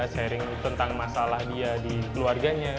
sharing tentang masalah dia di keluarganya